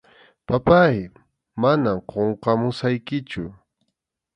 Papáy, manam qunqamusaykichu.